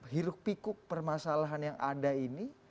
hiruk pikuk permasalahan yang ada ini